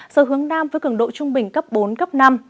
sơ hướng nam với cường độ trung bình cấp bốn năm